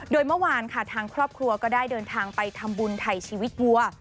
โดยเมื่อวานค่ะทางครอบครัวก็ได้เดินทางไปทำบุญไถ่ชีวิตวัว